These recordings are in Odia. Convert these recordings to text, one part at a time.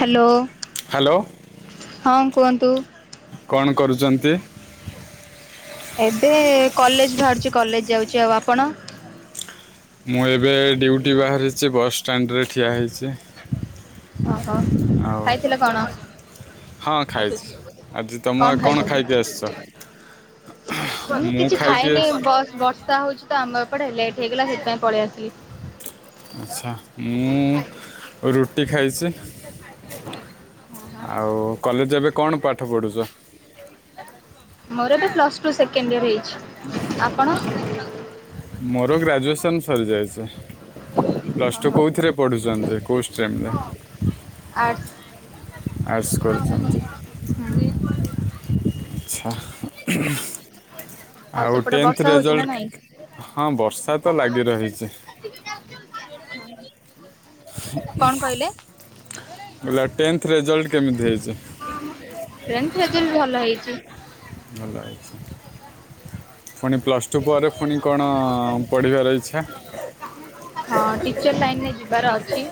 ହାଲୋ। ହାଲୋ। ହଁ କୁହନ୍ତୁ। କଣ କରୁଚନ୍ତି? ଏବେ କଲେଜ୍ ବାହାରୁଚି କଲେଜ୍ ଯାଉଚି, ଆଉ ଆପଣ? ମୁଁ ଏବେ ଡ୍ୟୁଟି ବାହାରିଚି ବସ୍ ଷ୍ଟାଣ୍ଡରେ ଠିଆ ହେଇଚି। ଅ ହୋ ଖାଇଥିଲ କଣ? ହଁ ଖାଇଛି [unintelligible] ଆଜି ତମେ କଣ ଖାଇଚନ୍ତି? ଖାଇକି ଆସିଛ [unintelligible] ମୁଁ କିଛି ଖାଇକି ଖାଇନି ଆସି ବସ୍ ବର୍ଷା ହୋଉଚି ତ ଆମ ଏପଟେ ଲେଟ ହେଇଗଲା ସେଥିପାଇଁ ପଳେଇ ଆସିଲି ଆଚ୍ଛା ମୁଁ ରୁଟି ଖାଇଚି [inaudible] ଆଉ କଲେଜ ଏବେ କଣ ପାଠ ପଢୁଚ? ମୋର ଏବେ ପ୍ଲସ ଟୁ ସେକେଣ୍ଡ ଇଅର୍ ହେଇଚି ମୋର ଗ୍ରାଜ୍ୟୁଏସନ ସରିଜାଇଚି ପ୍ଲସ ଟୁ ଓହୋ କୋଉଥିରେ ପଢୁଚନ୍ତି? କୋଉ ଷ୍ଟ୍ରୀମ୍ ରେ? ଆର୍ଟ୍ସ ଆର୍ଟ୍ସ କରୁଛନ୍ତି ହୁଁ। ଆଚ୍ଛା। ଆଉ ସେପଟେ ଟେନ୍ଥ ବର୍ଷା ହଉଛି ନା ରେଜଲ୍ଟ ନାଇଁ? ହଁ ବର୍ଷା ତ ଲାଗି ରହିଚି କଣ କହିଲେ? ଟେନ୍ଥ ରେଜଲ୍ଟ କେମିତି ହେଇଚି? ଟେନ୍ଥ ରେଜଲ୍ଟ ଭଲ ହେଇଛି। ଭଲ ହେଇଛି ଫୁଣି ପ୍ଲସ୍ ଟୁ ପରେ ଫୁଣି କଣ ପଢ଼ିବାର ଇଚ୍ଛା ହଁ ଟିଚର ଲାଇନରେ ଯିବାର ଅଛି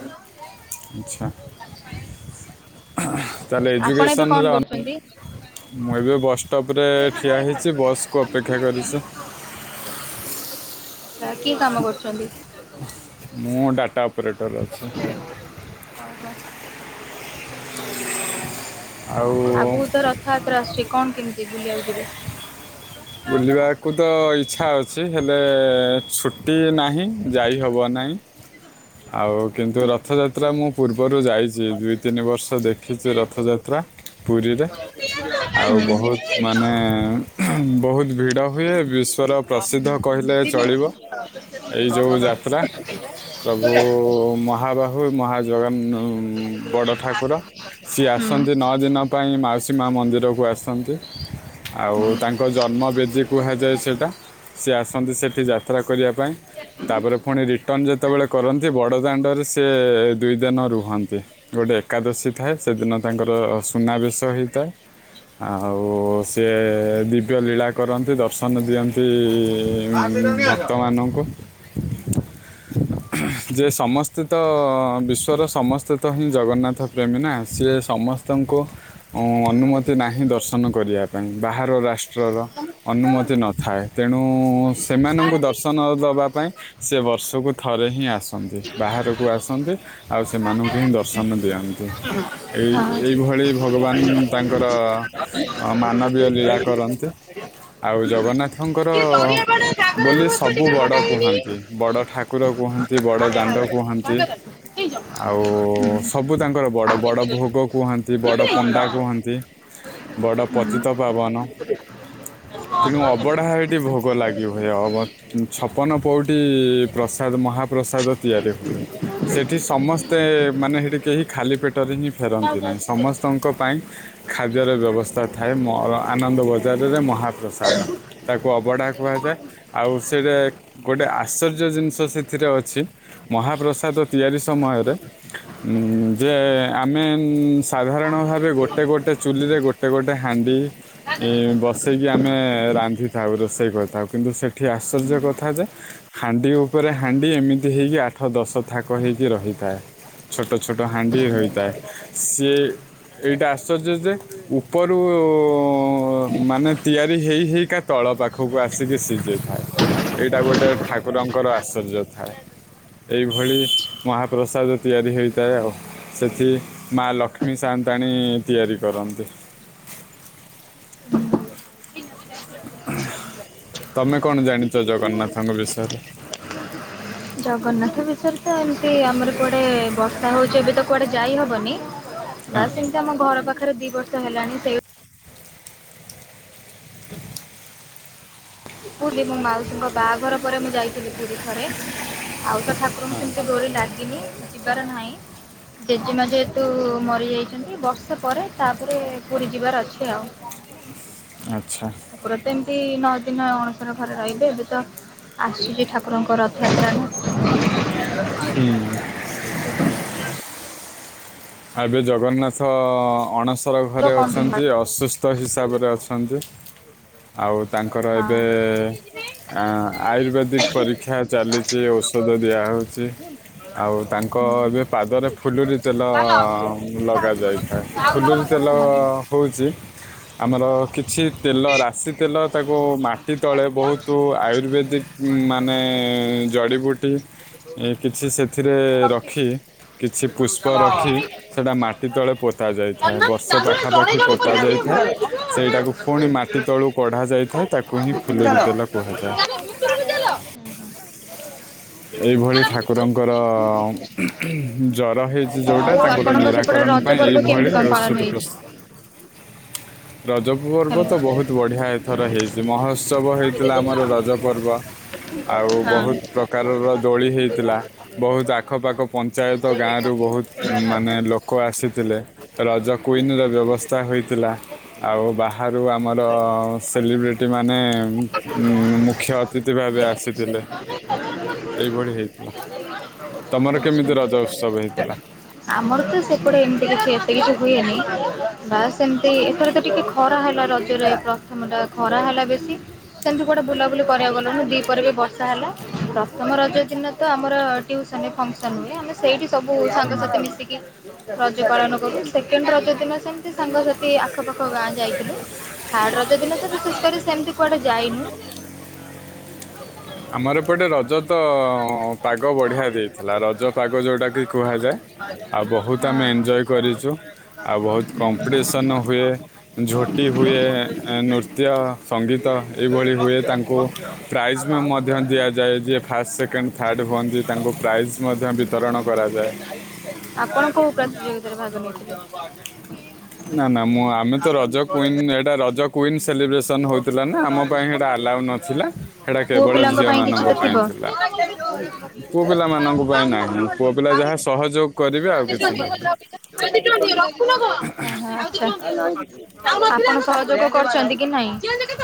ଆଚ୍ଛା [inaudible] ତାହଲେ ଆପଣ ଏବେ କଣ ଏଜୁକସନରେ ଅନ କରୁଛନ୍ତି? ମୁଁ ଏବେ ବସ୍ ଷ୍ଟପ ରେ ଠିଆ ହୋଇଛି ବସ୍ କୁ ଅପେକ୍ଷା କରିଛି କି କାମ କରଚନ୍ତି? ମୁଁ ଡାଟା ଅପରେଟର ଅଛି। ଆଉ ଅଗୁକୁ ତ ର ଥ ଯାତ୍ରା ଆସୁଚି କଣ କେମିତି ବୁଲିଆକୁ ଯିବେ? ହୁଁ। ବୁଲିବାକୁ ତ ଇଚ୍ଛା ଅଛି ହେଲେ ଛୁଟି ନାହିଁ ଯାଇ ହବ ନାଇଁ ଆଉ କିନ୍ତୁ ରଥଯାତ୍ରା ମୁଁ ପୂର୍ବରୁ ଯାଇଚି। ଦିଇ, ତିନି ବର୍ଷ ଦେଖିଛି ରଥଯାତ୍ରା। ପୁରୀରେ ଆଉ ବହୁତ ମାନେ ବୋହୁତ ଭିଡ଼ ହୁଏ। ବିଶ୍ୱର ପ୍ରସିଦ୍ଧ କହିଲେ ଚଳିବ। ଆ ଏଇ ଯେଉଁ ଭ ଯାତ୍ରା [unintelligible] ପ୍ରଭୁ ମହାବାହୁ ମହା ଜଗନ୍ ବଡ଼ ଠାକୁର ସିଏ ହଁ। ଆସନ୍ତି ନଅ ଦିନ ପାଇଁ ମାଉସୀ ମା ମନ୍ଦିରକୁ ଆସନ୍ତି। ଆଉ ତାଙ୍କ ଙ୍କ ଜନ୍ମବେଦୀ କୁହାଯାଏ ସେଇଟା ସିଏ ଆସନ୍ତି ସେଠି ଯାତ୍ରା କରିବା ପାଇଁ [inaudible] ତାପରେ ପୁଣି ରିଟର୍ଣ ଯେତେବେଳେ କରନ୍ତି ବଡ଼ ଦାଣ୍ଡରେ ସିଏ ଦୁଇ ଦିନ ରୁହନ୍ତି ଗୋଟେ ଏକାଦଶୀ ଥାଏ ସେଦିନ ତାଙ୍କର ସୁନାବେଶ ହେଇଥାଏ। ଆଉ ସିଏ ଦୁଇ ପ୍ର ଲୀଳା କରନ୍ତି ଦର୍ଶନ ଦିଅନ୍ତି ଭକ୍ତମାନଙ୍କୁ ଯେ ସମସ୍ତେ ତ ବିଶ୍ଵର ସମସ୍ତେ ତ ହିଁ ଜଗନ୍ନାଥ ପ୍ରେମୀ ନା ସିଏ ସମସ୍ତଙ୍କୁ ଅଁ ଅନୁମତି ନାହିଁ ଦର୍ଶନ କରିବା ପାଇଁ ବାହାର ରାଷ୍ଟ୍ରର ଅନୁମତି ନଥାଏ ତେଣୁ ସେମାନଙ୍କୁ ଦର ଦର୍ଶନ ଦବା ପାଇଁ ସେ ବର୍ଷକୁ ଥରେ ହିଁ ଆସନ୍ତି। ବାହାରକୁ ଆସନ୍ତି ଆଉ ସେମାନଙ୍କୁ ହିଁ ଦର୍ଶନ ଦିଅନ୍ତି। ଏଇ -ଏହିଭଳି ଭଗବାନ ତାଙ୍କର ମାନବୀୟ ଲୀଳା କରନ୍ତି। [inaudible] ତାଙ୍କର ବୋଲେ ସବୁ ବଡ କୁହନ୍ତି। ବଡ ଠାକୁର କୁହନ୍ତି। ବଡ଼ ଦାଣ୍ଡ କୁହନ୍ତି। ହେଇ ଯ [inaudible] ଆଉ ସବୁ ତାଙ୍କର ବଡ଼- ବଡ ଭୋଗ କୁହନ୍ତି। ବଡ ପଣ୍ଡା କୁହନ୍ତି। ବଡ ପତିତପାବନ [unintelligible] ତେଣୁ ଅବଢା ହେଇଟି ଭୋଗ ଲାଗିହେବ। ଛପନ ପଉଟି ପ୍ରସାଦ, ମହାପ୍ରସାଦ ତିଆରି ହୁଏ। ସେଠି ସମସ୍ତେ ମାନେ ହେଟି କେହି ଖାଲି ପେଟରେ ହିଁ ଫେରନ୍ତି ନାହିଁ। ସମସ୍ତଙ୍କ ପାଇଁ ଖାଦ୍ୟରେ ବ୍ୟବସ୍ଥାଥାଏ। ମ ଆନନ୍ଦ ବଜାରରେ ମହାପ୍ରସାଦ ତାକୁ ଅବଢା କୁହାଯାଏ। ଆଉ ସେଇଟା ଗୋଟେ ଆଶ୍ଚର୍ଯ୍ୟ ଜିନି ଷ ସେଥିରେ ଅଛି। ମହାପ୍ରସାଦ ତିଆରି ସମୟରେ ଉଁ ଯେ ଆମେ ସାଧାରଣ ଭାବେ ଗୋଟେ -ଗୋଟେ ଚୁଲିରେ ଗୋଟେ ଏ ଗୋଟେ ହାଣ୍ଡି ହିଁ ଏ ବସେଇକି ଆମେ ରାନ୍ଧିଥାଉ, ରୋଷେଇ କରିଥାଉ, କିନ୍ତୁ ସେଠି ଆଶ୍ଚର୍ଯ୍ୟ କଥାଯେ ହାଣ୍ଡି ଉପରେ ହାଣ୍ଡି ଏମିତି ହେଇକି ଆଠ ଦଶ ଥାକ ହେଇକି ରହିଥାଏ। ଛୋଟ- ଛୋଟ ହାଣ୍ଡି ହୋଇଥାଏ। ସିଏ ଏଇଟା ଆଶ୍ଚର୍ଯ୍ୟ ଯେ ଉପରୁ ମାନେ ତିଆରି ହେଇ -ହେଇକା ତଳପାଖ ବୁବୁ ଆସିକି ସିଝେଇଥାଏ। ଏଇଟା ଗୋଟେ ଠାକୁରଙ୍କର ଆଶ୍ଚର୍ଯ୍ୟ ଥାଏ। ଏଇଭଳି ମହାପ୍ରସାଦ ତିଆରି ହେଇଥାଏ ଆଉ ସେଠି ମା ଲକ୍ଷ୍ମୀ ସାଆନ୍ତାଣୀ ତିଆରି କରନ୍ତି ତମେ କଣ ଜାଣିଛ? ଜଗନ୍ନାଥଙ୍କ ବିଷୟରେ ଜଗନ୍ନାଥ ବିଷୟରେତ ଏମିତି ଆମର କୁଆଡେ ବର୍ଷା ହଉଛି ଏବେତ କୁଆଡେ ଯାଇ ହବନି [unintelligible] ବାସ ସେମିତି ଆମ ଘର ପାଖରେ ଦି ବର୍ଷ ହେଲାଣି ସେଇ [unintelligible] ପୁରୀ ମୋ ମାଉସୀଙ୍କ ବାହାଘର ପରେ ମୁଁ ଯାଇଥିଲି, ପୁରୀ ଥରେ ଆଉତ ଠାକୁରଙ୍କ ସେମିତି ଡୋରି ଲାଗିନି, ଯିବାର ନାହିଁ ଜେଜେମା ଯେହେତୁ ମରି ଯାଇଛନ୍ତି। ବର୍ଷେ ପରେ ତାପରେ ପୁରୀ ଯିବାର ଅଛି। ଆଉ ଆଚ୍ଛା! ପ୍ରୋତେନ୍ତି ନଅଦିନ [unintelligible] ଠାକୁର ଘରେ ରହିବେ ଏବେ ତ ଆସୁଛି। ଠାକୁରଙ୍କ ରଥଯାତ୍ରା ହୁଁ, ଆଗେ ଜଗନ୍ନାଥ ଅଣସ ଅଣସର ଘରେ କଣ ଦିନ ବା ଅଛନ୍ତି। ଅସୁସ୍ଥ ହିସାବରେ ଅଛନ୍ତି। ଆଉ ତାଙ୍କର ଏବେ ହଁ। ଆ ଆୟୁର୍ବେଦିକ ପରୀକ୍ଷା ଚାଲିଚି, ଔଷଧ ଦିଆହଉଛି, ଆଉ ତାଙ୍କ ଏବେ ପାଦରେ ଫୁଲୁରି ତେଲ ଅ ଲଗାଯାଇଥାଏ। ଫୁଲୁୁରି ତେଲ ହଉଚି ଆମର କିଛି ତେଲ ରାଶିତେଲ ତାକୁ ମାଟିତଳେ ବହୁତ ଆୟୁର୍ବେଦିକ ମାନେ ଜଡିବୁଟି ଏ କିଛି ସେଥିରେ ରଖି କିଛି ପୁଷ୍ପରଖି। ହୁଁ। ସେଟା ମାଟିତଳେ ପୋତା ଆଉ ଯାଇଥାଏ ବସ। ସେ ଆପଣଙ୍କ ପାଖା ପାଖି ପୋତା ଯାଇଥାଏ ସେଇଟାକୁ ପୁଣି ମାଟି ତଳୁ କଢା ଯାଇଥାଏ ତାକୁ ହିଁ ଫୁଲୁରି ତେଲ। କୁହାଯାଏ ଚାଲ ଭିତରକୁ ଚାଲ। ଏଇଭଳି ଠାକୁରଙ୍କର ଜର ହେଇଚି ଯୋଉଟା ତାଙ୍କର ନିରା। ସେପଟେ କରଣ ପାଇଁ ରଜ ପର୍ବ ଏଇଭଳି କେମିତି କଣ ପାଳନ ଔଷଧ ହେଇଛି? ପ୍ରସ୍ତୁତ ରଜପୁଅ। ପର୍ବତ ବହୁତ ବଢ଼ିଆ ଏଥର ହେଇଛି ମହୋତ୍ସବ ହେଇଥିଲା ଆମର ହ୍ୟାଲୋ। ରଜ ପର୍ବ। ଆଉ ହଁ। ବହୁତ ପ୍ର ପ୍ରକାରର ଦୋଳି ହେଇଥିଲା ବହୁତ ଆଖପାଖ ପଞ୍ଚାୟତ ଗାଁରୁ ବହୁତ ମାନେ ଲୋ କ ଆସିଥିଲେ ରଜ କୁଇନର ବ୍ୟବସ୍ଥା ହୋଇଥିଲା ଆଉ ବା ହାରୁ ଆମର ସେଲିବ୍ରେଟିମାନେ ଉଁ ମୁଖ୍ୟଅତିଥି ଭାବେ ଆସିଥିଲେ। ଏଇଭଳି ହେଇଥିଲା ତମର କେମିତି ରଜ ଉତ୍ସବ ହେଇଥିଲା [unintelligible] ଆମର ତ ସେପଟେ ଏମିତି କିଛି ଏତେ କିଛି ହୁଏନି ବାସ୍ ଏମିତି ଏଥର ତ ଟିକେ। ଖରା ହେଲା ରଜରେ ଏଥର ଖରା ହେଲା ବେଶୀ। ସେମିତି କୁଆଡେ ବୁଲାବୁଲି କରିବାକୁ ଗଲୁନୁ ଦି ପରେ ବି ବର୍ଷା ହେଲା ପ୍ରଥମ ରଜ ଦିନ। ତ ଆମର ଟିଉସନ ଫକସନ୍ ହୁଏ ଆମେ ସେଇଠି ସବୁ ସାଙ୍ଗସାଥି ମିଶିକି। ରଜ ପାଳନ କରୁ ସେକେଣ୍ଡ ରଜ ଦିନ ସେମିତି ସାଙ୍ଗସାଥି ଆଖପାଖ ଗାଁ। ଯାଇଥିଲୁ ଥାର୍ଡ ରଜ ଦିନ ତ ବିଶେଷ କରି ସେମିତି କୁଆଡେ ଯାଇନୁ। [inaudible] [inaudible] ଆମର ଏପଟେ ରଜ ତ ପାଗ ବଢ଼ିଆ ଦେଇଥିଲା ରଜ ପାଗ ଯେଉଟାକି କୁହାଯାଏ। ଆଉ ବହୁତ ଆମେ ଏନ୍ଜୟ କରିଛୁ ଆଉ ବହୁତ କମ୍ପିଟିସନ୍ ହୁଏ ହଁ। ଝୋଟି ହୁଏ ନୃତ୍ୟ ସଙ୍ଗୀତ ଏଭଳି ହୁଏ ତାଙ୍କୁ ହୁଁ। ପ୍ରାଇଜ୍। ମଧ୍ୟ ଦିଆଯାଏ ଯିଏ ଫାଷ୍ଟ ସେକେଣ୍ଡ ଥାର୍ଡ଼ ହୁଅନ୍ତି ତାଙ୍କୁ ପ୍ରାଇଜ ମଧ୍ୟ ବିତରଣ କରାଯାଏ। ଆପଣଙ୍କୁ ପ୍ରତିଯୋଗିତାରେ ଭାଗ ନେଇଥିଲେ। ନା ନା ମୁଁ ଆମେ ତ ରଜ କୁଇନି ଏଇଟା ରଜ। କୁଇନ୍ ସେଲିବ୍ରେସନ୍ ହଉଥିଲା ନା ଆମ ପାଇଁ ଏଟା ଆଲାଉ ନଥିଲା ସେଇଟା ପୁଅ କେବଳ ପିଲାଙ୍କ ପାଇଁ କିଛି ଝିଅମାନଙ୍କ ତ ଥିବ। ପାଇଁ ଥିଲା। ପୁଅ ପିଲାମାନଙ୍କ ପାଇଁ ନାହିଁ ପୁଅ ପିଲା ଯାହା ସହଯୋଗ କରିବେ ଆଉ କିଛି ନାହିଁ। ଓହ [unintelligible] ଆପଣ ସହଯୋଗ କରୁଛନ୍ତି। କି ନାଇଁ [unintelligible] ତମେ କେ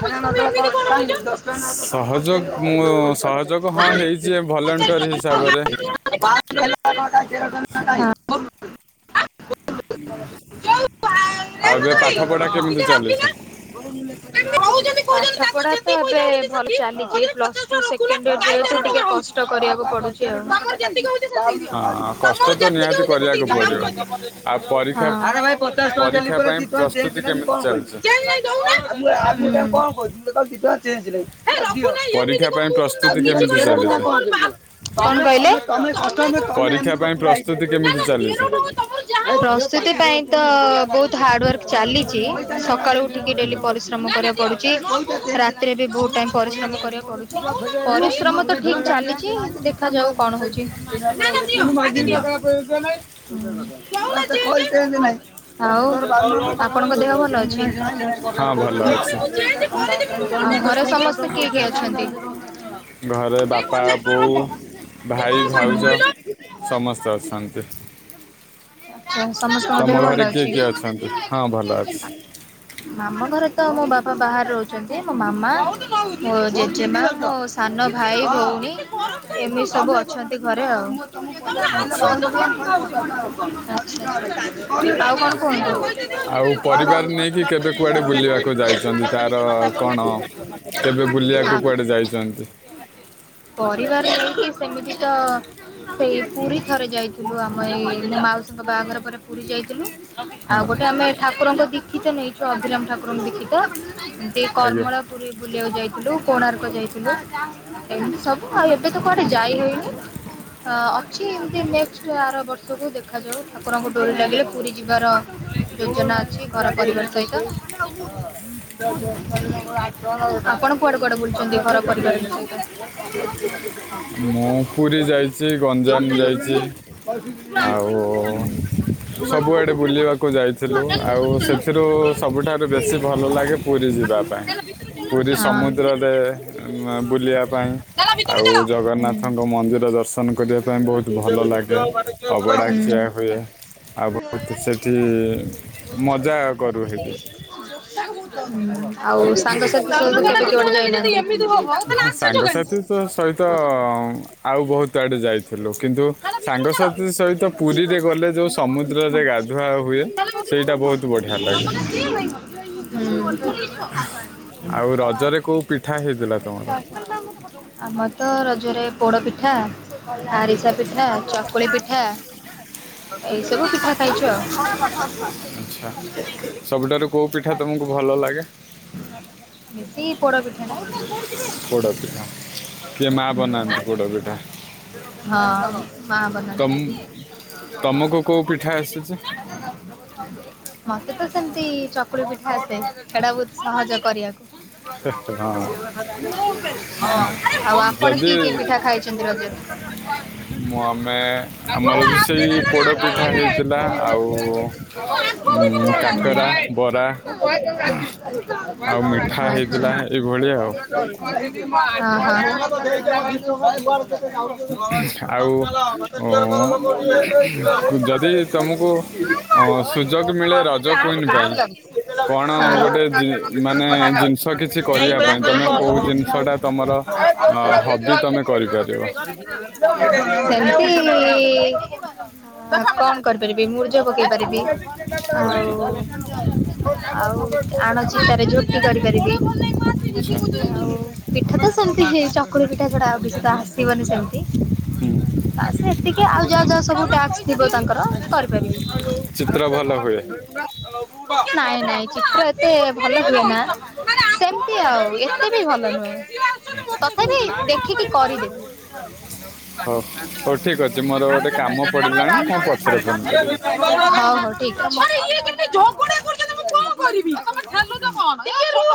ସହଯୋଗ ମୁଁ ସହଯୋଗ ହଁ ହେଇଛି ଭଲେଣ୍ଟିୟର ହିସାବରେ [unintelligible] ବା [unintelligible] ଯୋଉ ଆଉ ବେ ପାଠ ପଢା କେମିତି ଚାଲିଛି? ପାଠପଢା ତ ଏବେ ଭଲ ଚାଲିଛି ପ୍ଲସ୍ ଟୁ ସେ ଟିକେ କଷ୍ଟ କରିବାକୁ ପଡୁଛି ଆଉ। ତମର ଯେତିକି ହଉଛି ସେତିକି ଦିଅ ହଁ କଷ୍ଟ ତ ନିହାତି କରିବାକୁ ପଡ଼ିବ ଆଉ [inaudible] ପରୀକ୍ଷା ହଁ ଆରେ ଭାଇ ପଚାଶ ଟଙ୍କା ଦେଲି ପରୀକ୍ଷା ପାଇଁ ପରା। କଣ ପ୍ରସ୍ତୁତି ଦେଇଥିଲେ କେମିତି କଣ ଚାଲିଛି କହିମି ଚେନ ଦଉନ [inaudible] କଣ କହିମି ଚେନ ସିଲେଇ। ହେ ରଖୁନ ପରୀକ୍ଷା ଏମିତି ପାଇଁ କଣ ପ୍ରସ୍ତୁତି କହୁଛନ୍ତି କେମିତି ତାକୁ ଚାଲିଛି କିଛି କହିନ [inaudible] କଣ କହିଲେ ତମେ କଷ୍ଟ ପରୀକ୍ଷା ତମେ ପାଇଁ ଏମିତି ପ୍ରସ୍ତୁତି ପୁର କେମିତି ହେଇଯ ଚାଲିଛି [inaudible] ପ୍ରସ୍ତୁତି ପାଇଁ ତ ବହୁତ ହାର୍ଡୱର ଚାଲିଛି ସକାଳୁ। କି ଡେଲି ପରିଶ୍ରମ। ତମଶ କରୁଚି ରାତିରେ ବି ବହୁତ ଟାଇମ ପରିଶ୍ରମ କରିବାକୁ ପଡୁଛି ପରିଶ୍ରମ ତ ଠିକ ଚାଲିଛି। ଦେଖାଯାଉ କଣ ହଉଛି ନା ନା ଦିଅ ଆଗେ ଦିଅ। କହୁନ ନାଇଁ ଆଉ ଆପଣଙ୍କ ଦେହ ଭଲ ଅଛି। ହଁ ଘରେ ଭଲ ଅଛି ସମସ୍ତେ କିଏ କିଏ ଅଛନ୍ତି ଏଇ ଘରେ ବାପା ପଚାଶ ବୋଉ ହବ ଭାଇ ତ ଭାଉଜ କଣ ସମସ୍ତେ ଅଛନ୍ତି ଆଛା ସମସ୍ତ ଙ୍କ ତମ ଘରେ ଦେହ କିଏ କିଏ ଅଛନ୍ତି? ଭଲ ହଁ ଭଲ ଅଛି ମାମ ଘରେ ତ ମୋ ବାପା ବାହାରେ ରହୁଛନ୍ତି ମୋ ମାମା ମୋ ଜେଜେମା ମ ସାନ ଭାଇ ଭଉଣୀ ଏମିତି ସବୁ ଅଛନ୍ତି ଘରେ ଆଉ ଆଚ୍ଛା ଆଉ କଣ ଆଉ କୁହନ୍ତୁ ଆଉ ପରିବାର ନେଇକି କେବେ କୁଆଡ଼େ ବୁଲିବାକୁ ଯାଇଛନ୍ତି ତାର କଣ କେବେ ବୁଲିବାକୁ କୁଆଡ଼େ ଯାଇଛନ୍ତି? ସର ପରିବାର ହେଇକି ସେମିତି ତ ସେଇ ପୁରୀ ଥରେ ଯାଇଥିଲୁ ଆମ ଏଇ ମାଉସୀଙ୍କ ବାହାଘର ପରେ ପୁରୀ ଯାଇଥିଲୁ ଆଉ ହଁ ଗୋଟେ ଆମେ ଠାକୁରଙ୍କ ଦୀକ୍ଷିତ ନେଇଛୁ ଅଭିିରାମ ଠାକୁରଙ୍କ ଦୀକ୍ଷିତ ଆଜ୍ଞା କର୍ମଳାପୁରୀ ବୁଲିବାକୁ ଯାଇଥିଲୁ କୋଣାର୍କ ଯାଇଥିଲୁ ଏମିତି ସବୁ ଆଉ ଏବେ ତ କୁଆଡେ ଯାଇହଉନି ଅଛି ଏମିତି ନେକ୍ଟ ଆର ବର୍ଷକୁ ଦେଖାଯାଉ ଠାକୁରଙ୍କ ଡୋରି ଲାଗିଲେ ପୁରୀ ଯିବାର ଯୋଜନା ଅଛି ଘର ପରିବାର ସହିତ ଆପଣ କୁଆଡେ କୁଆଡେ ବୁଲୁଛନ୍ତି ଘର ପରିବାର ମୁଁ ପୁରୀ ଯାଇଛି ଗଞ୍ଜାମ ସହିତ ଯାଇଛି ଆଉ ସବୁଆଡ଼େ [inaudible] [unintelligible] ତୁ ସବୁଠାରୁ ବେଶୀ ଭଲ ଲାଗେ ପୁରୀ ଯିବା ପାଇଁ। ପୁରୀ ସମୁଦ୍ରରେ ବୁଲିବା ପାଇଁ ଆଉ ଜଗନ୍ନାଥଙ୍କ ମନ୍ଦିର ଦର୍ଶନ କରିବା ପାଇଁ ବହୁତ ଭଲ ଲାଗେ ଅବଡ଼ା ଖିଆ। ହୁଏ ଆଉ ବହୁତ ସେଠି ମଜା କରୁ ସେଠି ଆଉ ସାଙ୍ଗସାଥି ସବଟେନା? ସେମିତି ହବ ହଁ ସାଙ୍ଗସାଥି ତ ଆଉ ସହିତ ତାହଲେ ଆଉ ବହୁତ ଆସୁଛା ଆଡ଼େ ଯାଇଥିଲୁ କିନ୍ତୁ କାଇଁ। ସାଙ୍ଗସାଥି ଚାଲ ସହିତ ପୁରୀରେ ଗଲେ ଭିତରୁକୁ ଯେଉଁ ସମୁଦ୍ରରେ ଚାଲ ଗାଧୁଆ ହୁଏ ଚାଲ। [inaudible] ସେଇଟା ବହୁତ ବଢ଼ିଆ ଲାଗେ ହଉ ଆଉ ରଜରେ କୋଉ ପିଠା ହେଇଥିଲା ତମର ଆମର ତ ରଜରେ ପୋଡ଼ ପିଠା ଆରିସା ପିଠା ଚକୁଳି ପିଠା। ଏଇ ସବୁ ପିଠା ଖାଇଛୁ ଆଛା ସବୁଠାରୁ କୋଉ ପିଠା ତମକୁ ଭଲ ଲାଗେ ବେଶୀ ପୋଡପିଠା ଟା ପୋଡ ପିଠା କିଏ ମା ବନାନ୍ତି ପୋଡା ପିଠା ହଁ ମା ବନାନ୍ତି। ତମ ତମକୁ କୋଉ ପିଠା ଆସିଛି [inaudible] ମତେ ତ ସେମିତି ଚକୁଳି ପିଠା ଆସେ ସେଟା ବହୁତ ସହଜ କରିବାକୁ। ହଁ ହଁ ଆଉ ଆପଣ ଯଦି କିଏ କିଏ ପିଠା ଖାଇଛନ୍ତି ରଜରେ ମୁଁ ଆମେ ହ ଆମର ବି ସେଇ ପୋଡ଼ ପିଠା [unintelligible] ହେଇଥିଲା ଆଉ ଆ ଉଁ, କାକରା ବରା [unintelligible] ଆଉ ମିଠା [inaudible] ହେଇଥିଲା ଏଇଭଳି ଆଉ [inaudible] ଚାଲ ଆଉ ମତେ ଉଁ, କ୍ଲିୟର ଯଦି ତମକୁ କର ଅ, ସୁଯୋଗ ମିଳେ ରଜ କୁଇନ୍ ପାଇଁ ୁ କଣ [inaudible] ଗୋଟେ ଜି ମାନେ ଯାଇ ଜିନିଷ କିଛି କରିବା ଭଳି ପାଇଁ ତମେ କୋଉ ଜିନିଷଟା କ ତମର ଅ କହ ହବି ତମେ [unintelligible] କରିପାରିବ ସେମତି କଣ କରିପାରିବି ମୁରୁଯ ପକେଇ ପାରିବି ଆଉ ବୁଝୁଛ ଆଉ ଆଣଚିତାରେ ଝୋଟି କରିପାରିବି। ଆଚ୍ଛା ପିଠା ତ ସେମିତି ହେ ଚକୁଳି ପିଠା ଛଡା ଆଉ କିଛି ତ ଆସିବନି ସେମିତି ଆ ସେ ଏତିକି ଆଉ ଯାହା ଯାହା ସବୁ ଟାକ୍ସ୍ ଥିବ ତାଙ୍କର କରିପାରିବି। ହ୍ୟାଲୋ ଚିତ୍ର ଭଲ ଆ [unintelligible] ହୁଏ ନାଇଁ ନାଇଁ ଚିତ୍ର ଏତେ ଭଲ ହୁଏ ନା। ସେମତି ଆଉ ଏତେ ବି ଭଲ ନୁହେଁ। ଆଚ୍ଛା ତଥାପି ଦେଖିକି କରିଦେବି। [inaudible] ହଉ ହଉ ଠିକ୍ ଅଛି ମୋର ଗୋଟେ କାମ ପଡ଼ିଲାଣି ମୁଁ ପଛରେ ଫୋନ୍ କରିବି ହଁ ହଉ ଠିକ୍ [unintelligible]